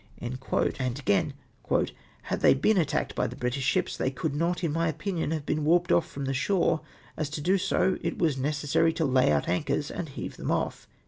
'' (Minutes, p. 211.) And agam, " Had they been attacked by the British ships, they could not, in my opinion, have been warped off from the shore, as to do so, it was necessary to lay out anchors to heave them off."